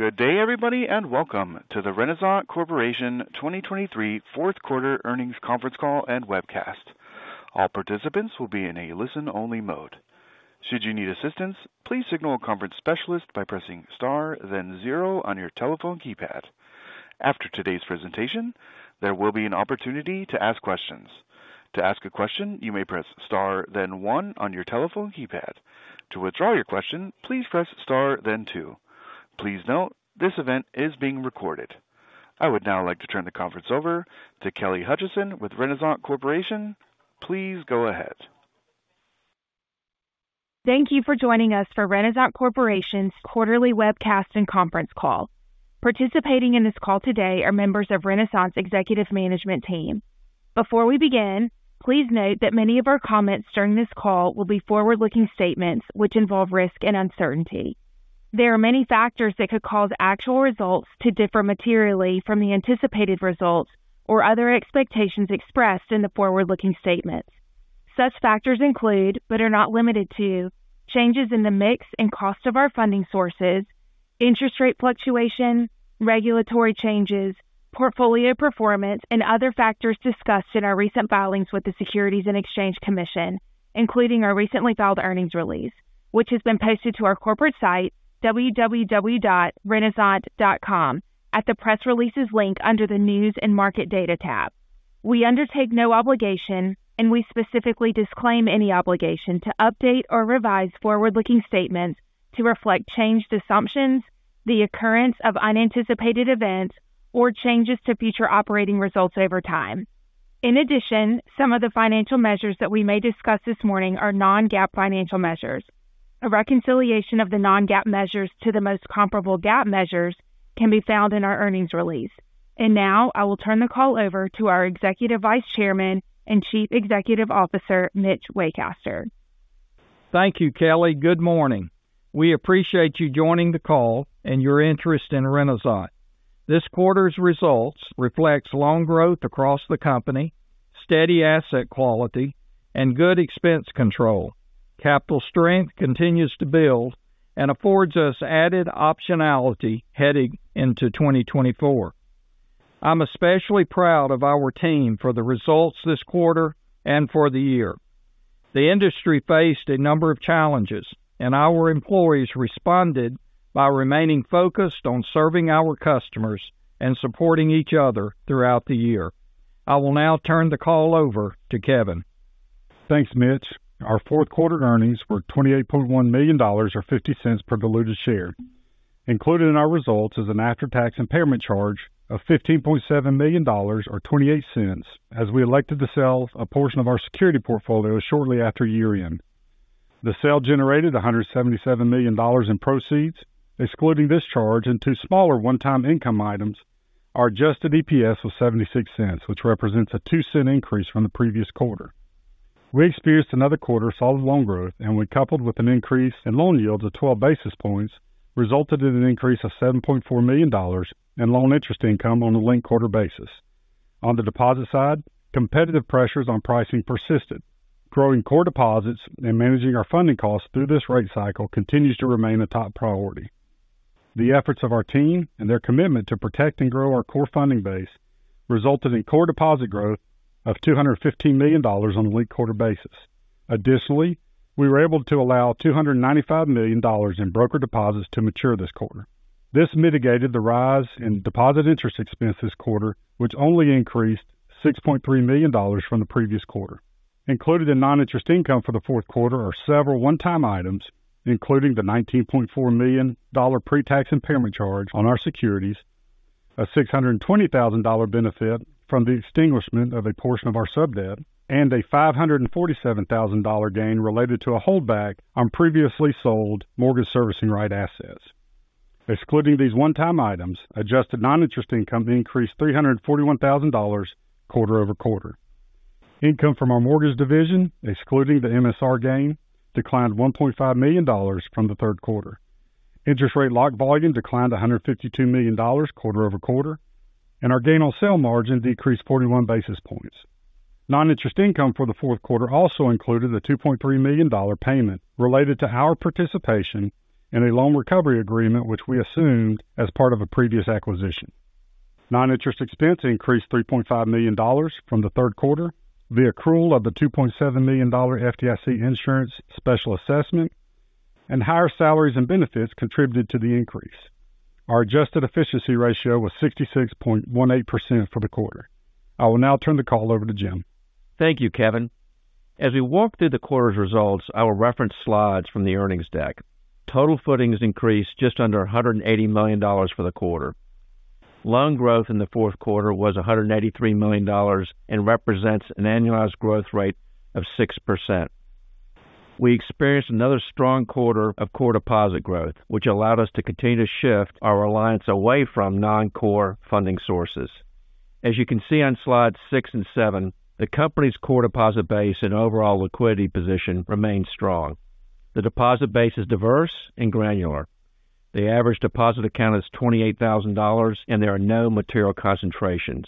Good day, everybody, and welcome to the Renasant Corporation 2023 fourth quarter earnings conference call and webcast. All participants will be in a listen-only mode. Should you need assistance, please signal a conference specialist by pressing star, then zero on your telephone keypad. After today's presentation, there will be an opportunity to ask questions. To ask a question, you may press star, then one on your telephone keypad. To withdraw your question, please press star then two. Please note, this event is being recorded. I would now like to turn the conference over to Kelly Hutcheson with Renasant Corporation. Please go ahead. Thank you for joining us for Renasant Corporation's quarterly webcast and conference call. Participating in this call today are members of Renasant's executive management team. Before we begin, please note that many of our comments during this call will be forward-looking statements, which involve risk and uncertainty. There are many factors that could cause actual results to differ materially from the anticipated results or other expectations expressed in the forward-looking statements. Such factors include, but are not limited to, changes in the mix and cost of our funding sources, interest rate fluctuations, regulatory changes, portfolio performance, and other factors discussed in our recent filings with the Securities and Exchange Commission, including our recently filed earnings release, which has been posted to our corporate site, www.renasant.com, at the Press Releases link under the News and Market Data Tab. We undertake no obligation, and we specifically disclaim any obligation to update or revise forward-looking statements to reflect changed assumptions, the occurrence of unanticipated events, or changes to future operating results over time. In addition, some of the financial measures that we may discuss this morning are non-GAAP financial measures. A reconciliation of the non-GAAP measures to the most comparable GAAP measures can be found in our earnings release. And now I will turn the call over to our Executive Vice Chairman and Chief Executive Officer, Mitch Waycaster. Thank you, Kelly. Good morning. We appreciate you joining the call and your interest in Renasant. This quarter's results reflects loan growth across the company, steady asset quality, and good expense control. Capital strength continues to build and affords us added optionality heading into 2024. I'm especially proud of our team for the results this quarter and for the year. The industry faced a number of challenges, and our employees responded by remaining focused on serving our customers and supporting each other throughout the year. I will now turn the call over to Kevin. Thanks, Mitch. Our fourth quarter earnings were $28.1 million, or $0.50 per diluted share. Included in our results is an after-tax impairment charge of $15.7 million, or $0.28, as we elected to sell a portion of our security portfolio shortly after year-end. The sale generated $177 million in proceeds, excluding this charge and two smaller one-time income items. Our adjusted EPS was $0.76, which represents a $0.02 increase from the previous quarter. We experienced another quarter of solid loan growth, and when coupled with an increase in loan yields of 12 basis points, resulted in an increase of $7.4 million in loan interest income on a linked quarter basis. On the deposit side, competitive pressures on pricing persisted. Growing core deposits and managing our funding costs through this rate cycle continues to remain a top priority. The efforts of our team and their commitment to protect and grow our core funding base resulted in core deposit growth of $215 million on a linked quarter basis. Additionally, we were able to allow $295 million in brokered deposits to mature this quarter. This mitigated the rise in deposit interest expense this quarter, which only increased $6.3 million from the previous quarter. Included in non-interest income for the fourth quarter are several one-time items, including the $19.4 million pre-tax impairment charge on our securities, a $620,000 benefit from the extinguishment of a portion of our subdebt, and a $547,000 gain related to a holdback on previously sold mortgage servicing right assets. Excluding these one-time items, adjusted non-interest income increased $341,000 quarter-over-quarter. Income from our mortgage division, excluding the MSR gain, declined $1.5 million from the third quarter. Interest rate lock volume declined $152 million quarter-over-quarter, and our gain on sale margin decreased 41 basis points. Non-interest income for the fourth quarter also included a $2.3 million payment related to our participation in a loan recovery agreement, which we assumed as part of a previous acquisition. Non-interest expense increased $3.5 million from the third quarter. The accrual of the $2.7 million FDIC insurance special assessment and higher salaries and benefits contributed to the increase. Our adjusted efficiency ratio was 66.18% for the quarter. I will now turn the call over to Jim. Thank you, Kevin. As we walk through the quarter's results, I will reference slides from the earnings deck. Total footings increased just under $180 million for the quarter. Loan growth in the fourth quarter was $183 million and represents an annualized growth rate of 6%. We experienced another strong quarter of core deposit growth, which allowed us to continue to shift our reliance away from non-core funding sources. As you can see on slides six and seven, the company's core deposit base and overall liquidity position remains strong. The deposit base is diverse and granular. The average deposit account is $28,000, and there are no material concentrations.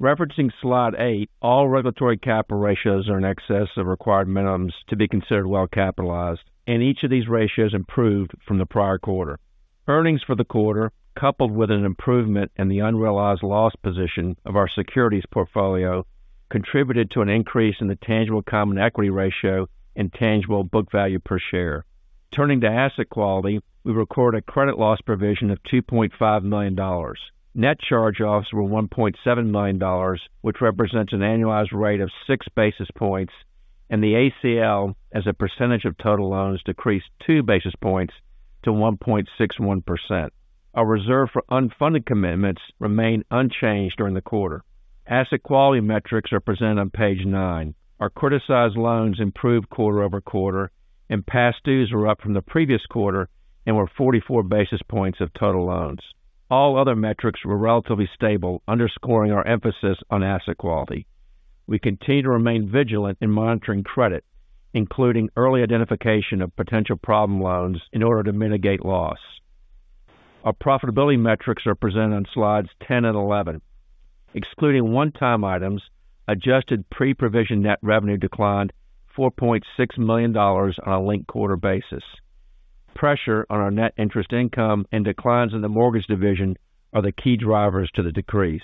Referencing slide eight, all regulatory capital ratios are in excess of required minimums to be considered well capitalized, and each of these ratios improved from the prior quarter. Earnings for the quarter, coupled with an improvement in the unrealized loss position of our securities portfolio, contributed to an increase in the tangible common equity ratio and tangible book value per share. Turning to asset quality, we recorded a credit loss provision of $2.5 million. Net charge-offs were $1.7 million, which represents an annualized rate of 6 basis points, and the ACL, as a percentage of total loans, decreased 2 basis points to 1.61%. Our reserve for unfunded commitments remained unchanged during the quarter. Asset quality metrics are presented on page nine. Our criticized loans improved quarter over quarter, and past dues were up from the previous quarter and were 44 basis points of total loans. All other metrics were relatively stable, underscoring our emphasis on asset quality. We continue to remain vigilant in monitoring credit, including early identification of potential problem loans in order to mitigate loss. Our profitability metrics are presented on slides 10 and 11. Excluding one-time items, adjusted pre-provision net revenue declined $4.6 million on a linked quarter basis. Pressure on our net interest income and declines in the mortgage division are the key drivers to the decrease.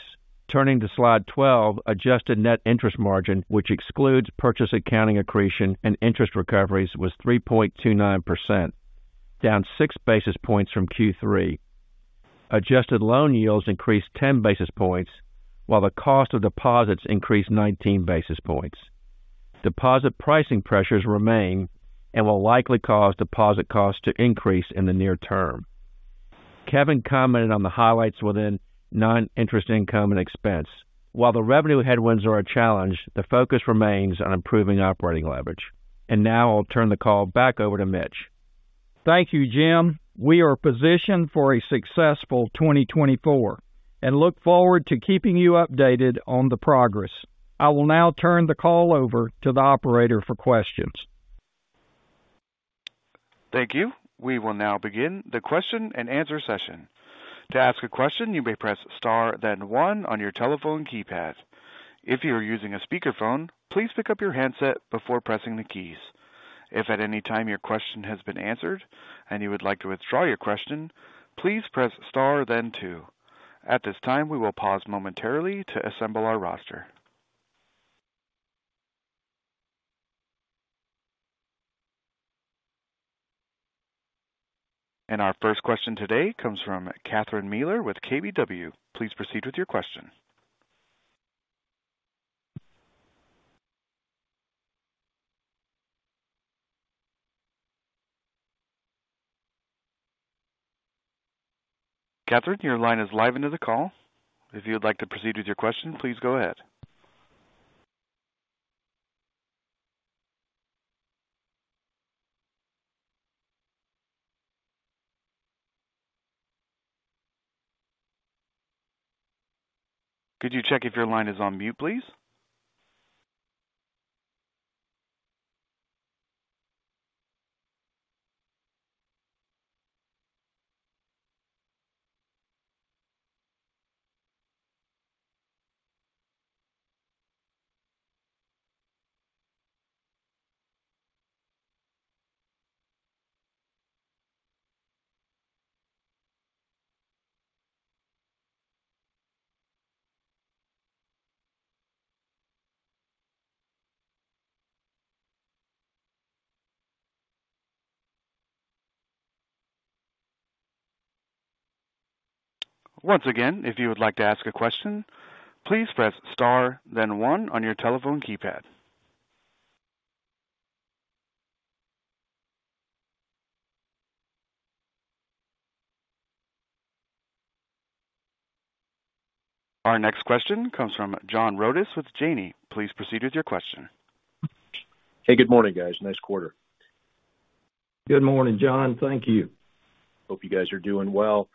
Turning to slide 12, adjusted net interest margin, which excludes purchase accounting accretion, and interest recoveries, was 3.29%, down 6 basis points from Q3. Adjusted loan yields increased 10 basis points, while the cost of deposits increased 19 basis points. Deposit pricing pressures remain and will likely cause deposit costs to increase in the near term. Kevin commented on the highlights within non-interest income and expense. While the revenue headwinds are a challenge, the focus remains on improving operating leverage. Now I'll turn the call back over to Mitch. Thank you, Jim. We are positioned for a successful 2024 and look forward to keeping you updated on the progress. I will now turn the call over to the operator for questions. Thank you. We will now begin the question-and-answer session. To ask a question, you may press star, then one on your telephone keypad. If you are using a speakerphone, please pick up your handset before pressing the keys. If at any time your question has been answered and you would like to withdraw your question, please press star then two. At this time, we will pause momentarily to assemble our roster. Our first question today comes from Catherine Mealor with KBW. Please proceed with your question. Catherine, your line is live into the call. If you would like to proceed with your question, please go ahead. Could you check if your line is on mute, please? Once again, if you would like to ask a question, please press star, then one on your telephone keypad. Our next question comes from John Rodis with Janney. Please proceed with your question. Hey, good morning, guys. Nice quarter. Good morning, John. Thank you. Hope you guys are doing well.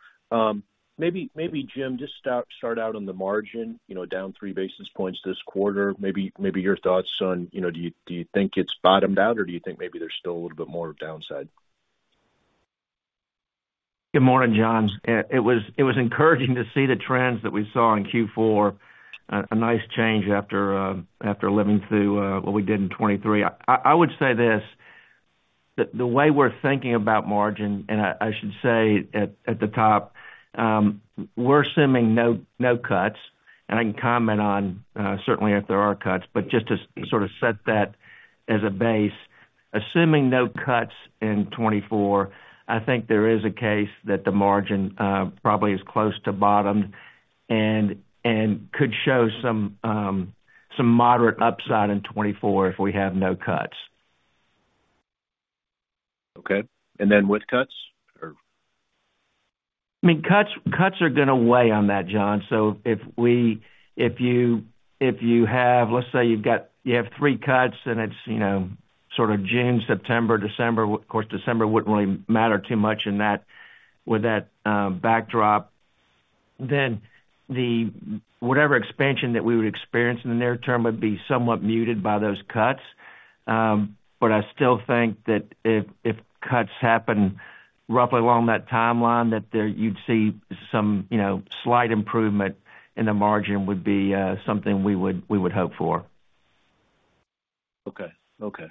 Maybe, Jim, just start out on the margin, you know, down 3 basis points this quarter. Maybe your thoughts on, you know, do you think it's bottomed out, or do you think maybe there's still a little bit more downside? Good morning, John. It was encouraging to see the trends that we saw in Q4. A nice change after living through what we did in 2023. I would say this, that the way we're thinking about margin, and I should say at the top, we're assuming no cuts, and I can comment on certainly if there are cuts, but just to sort of set that as a base, assuming no cuts in 2024, I think there is a case that the margin probably is close to bottomed and could show some moderate upside in 2024 if we have no cuts. Okay, and then with cuts or? I mean, cuts, cuts are going to weigh on that, John. So if you have... Let's say you have three cuts and it's, you know, sort of June, September, December. Of course, December wouldn't really matter too much in that, with that backdrop. Then whatever expansion that we would experience in the near term would be somewhat muted by those cuts. But I still think that if cuts happen roughly along that timeline, that there you'd see some, you know, slight improvement in the margin would be something we would hope for. Okay. Okay.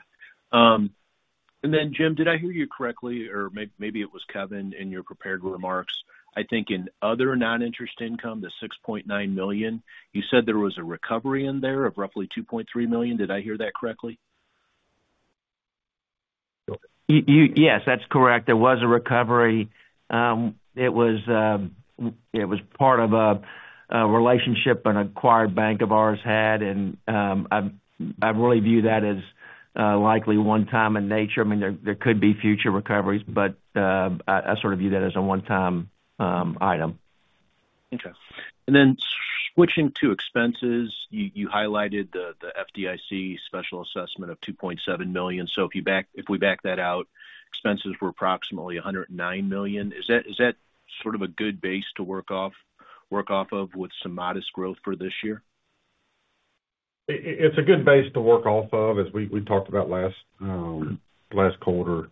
And then, Jim, did I hear you correctly, or maybe it was Kevin, in your prepared remarks? I think in other non-interest income, the $6.9 million, you said there was a recovery in there of roughly $2.3 million. Did I hear that correctly? Yes, that's correct. There was a recovery. It was part of a relationship an acquired bank of ours had, and I really view that as likely one-time in nature. I mean, there could be future recoveries, but I sort of view that as a one-time item. Okay. And then switching to expenses, you highlighted the FDIC special assessment of $2.7 million. So if we back that out, expenses were approximately $109 million. Is that sort of a good base to work off of with some modest growth for this year? It's a good base to work off of, as we talked about last quarter.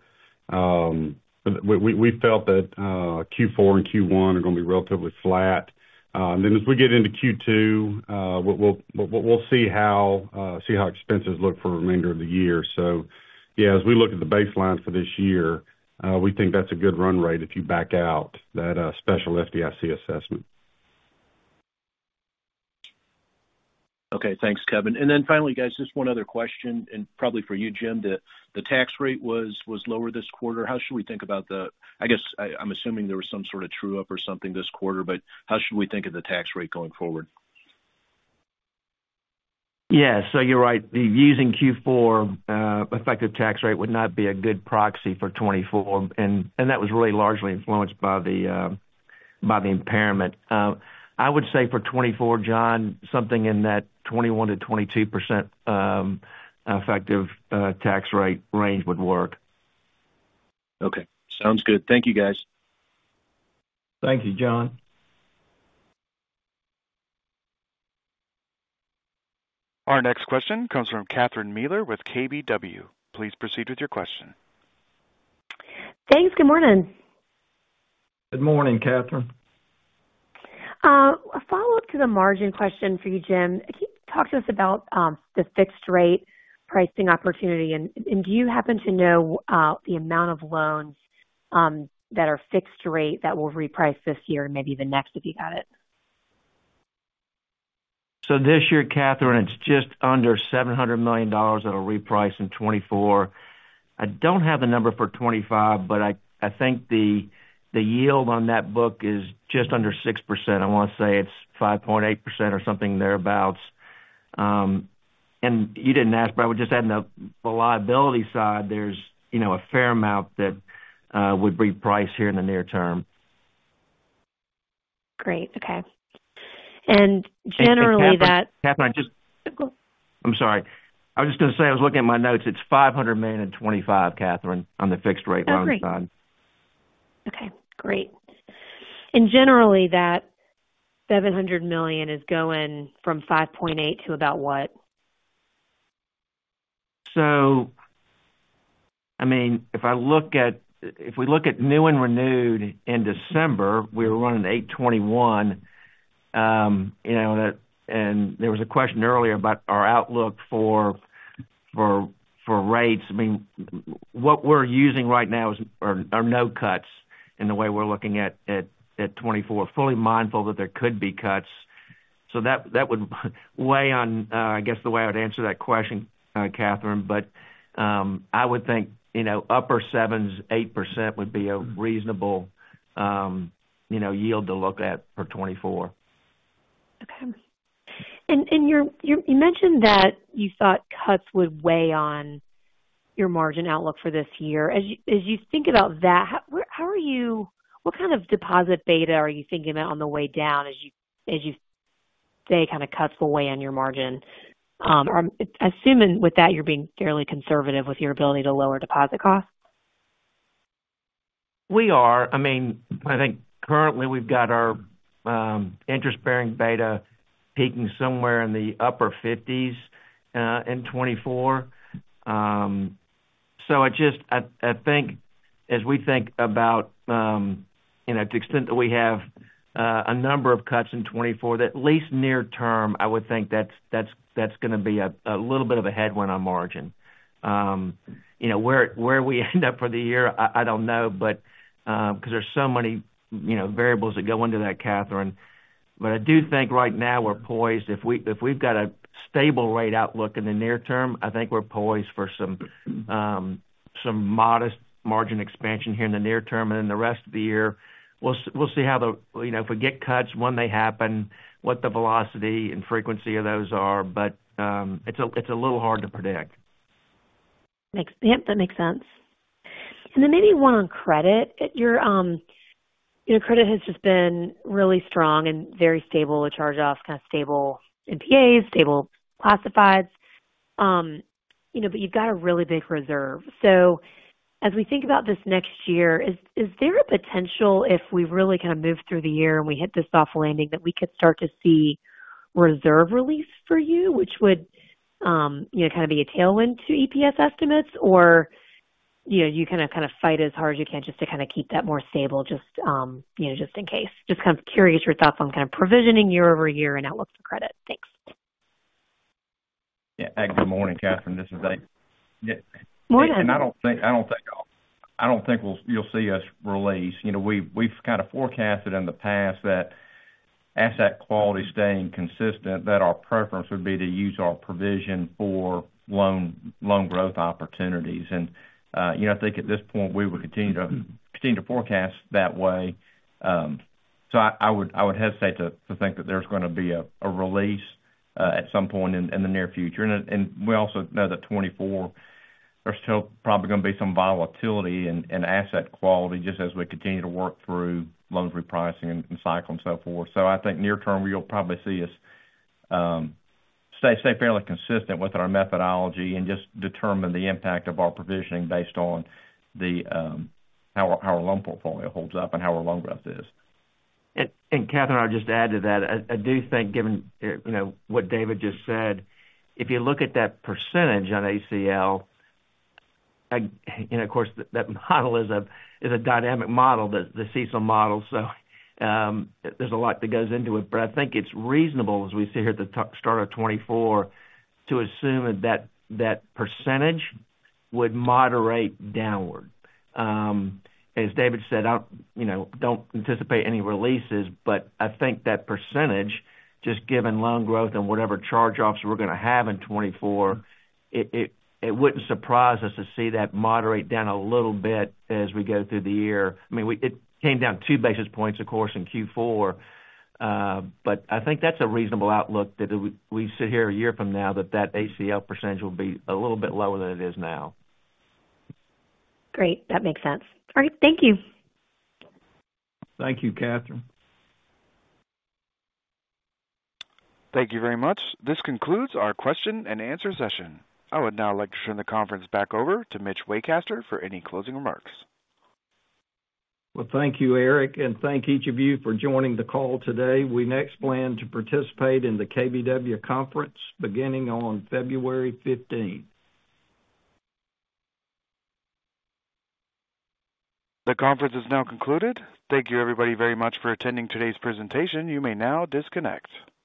We felt that Q4 and Q1 are gonna be relatively flat. Then as we get into Q2, we'll see how expenses look for the remainder of the year. So yes, as we look at the baseline for this year, we think that's a good run rate if you back out that special FDIC assessment. Okay. Thanks, Kevin. And then finally, guys, just one other question, and probably for you, Jim. The tax rate was lower this quarter. How should we think about the—I guess I'm assuming there was some sort of true up or something this quarter, but how should we think of the tax rate going forward? Yes, so you're right. Using Q4 effective tax rate would not be a good proxy for 2024, and that was really largely influenced by the impairment. I would say for 2024, John, something in that 21% to 22% effective Tax rate range would work. Okay. Sounds good. Thank you, guys. Thank you, John. Our next question comes from Catherine Mealor with KBW. Please proceed with your question. Thanks. Good morning. Good morning, Catherine. A follow-up to the margin question for you, Jim. Can you talk to us about the fixed rate pricing opportunity? And, and do you happen to know the amount of loans that are fixed rate that will reprice this year and maybe even next, if you got it? So this year, Catherine, it's just under $700 million that'll reprice in 2024. I don't have the number for 2025, but I think the yield on that book is just under 6%. I want to say it's 5.8% or something thereabouts. And you didn't ask, but I would just add, on the liability side, there's, you know, a fair amount that would reprice here in the near term. Great, okay. And generally, that- Catherine, I just- Go. I'm sorry. I was just gonna say, I was looking at my notes. It's $500 million in 2025, Catherine, on the fixed rate loan side. Okay, great. And generally, that $700 million is going from 5.8 to about what? So, I mean, if we look at new and renewed in December, we were running 8.21. You know, that and there was a question earlier about our outlook for rates. I mean, what we're using right now are no cuts in the way we're looking at 2024. Fully mindful that there could be cuts, so that would weigh on, I guess, the way I would answer that question, Catherine. But, I would think, you know, upper sevens, 8% would be a reasonable, you know, yield to look at for 2024. Okay. And you mentioned that you thought cuts would weigh on your margin outlook for this year. As you think about that, what kind of deposit beta are you thinking about on the way down, as you say, kind of cuts will weigh on your margin? I'm assuming with that, you're being fairly conservative with your ability to lower deposit costs. We are. I mean, I think currently we've got our interest-bearing beta peaking somewhere in the upper 50s in 2024. So I just... I think as we think about, you know, to the extent that we have a number of cuts in 2024, that at least near term, I would think that's gonna be a little bit of a headwind on margin. You know, where we end up for the year, I don't know, but because there's so many, you know, variables that go into that, Catherine. But I do think right now we're poised. If we've got a stable rate outlook in the near term, I think we're poised for some modest margin expansion here in the near term. And then the rest of the year, we'll see how the, you know, if we get cuts, when they happen, what the velocity and frequency of those are, but, it's a, it's a little hard to predict. Yep, that makes sense. And then maybe one on credit. Your credit has just been really strong and very stable with charge-offs, kind of stable NPAs, stable classifieds. You know, but you've got a really big reserve. So as we think about this next year, is there a potential, if we really kind of move through the year and we hit this soft landing, that we could start to see reserve release for you, which would, you know, kind of be a tailwind to EPS estimates? Or, you know, you kind of fight as hard as you can just to kind of keep that more stable, just, you know, just in case. Just kind of curious your thoughts on kind of provisioning year over year and outlook for credit. Thanks. Yeah. Good morning, Catherine, this is Dave. Morning! And I don't think we'll—you'll see us release. You know, we've kind of forecasted in the past that asset quality staying consistent, that our preference would be to use our provision for loan, loan growth opportunities. And, you know, I think at this point, we will continue to forecast that way. So I would hesitate to think that there's gonna be a release at some point in the near future. And we also know that 2024, there's still probably gonna be some volatility in asset quality, just as we continue to work through loan repricing and cycle and so forth. So I think near term, you'll probably see us stay fairly consistent with our methodology and just determine the impact of our provisioning based on how our loan portfolio holds up and how our loan growth is. Catherine, I'll just add to that. I do think, given, you know, what David just said, if you look at that percentage on ACL, and of course, that model is a dynamic model, the CECL model, so there's a lot that goes into it. But I think it's reasonable, as we sit here at the start of 2024, to assume that that percentage would moderate downward. As David said, I, you know, don't anticipate any releases, but I think that percentage, just given loan growth and whatever charge-offs we're gonna have in 2024, it wouldn't surprise us to see that moderate down a little bit as we go through the year. I mean, it came down two basis points, of course, in Q4. But I think that's a reasonable outlook, that we sit here a year from now, that ACL percentage will be a little bit lower than it is now. Great, that makes sense. All right, thank you. Thank you, Catherine. Thank you very much. This concludes our question and answer session. I would now like to turn the conference back over to Mitch Waycaster for any closing remarks. Well, thank you, Eric, and thank each of you for joining the call today. We next plan to participate in the KBW Conference, beginning on February 15th. The conference is now concluded. Thank you everybody very much for attending today's presentation. You may now disconnect.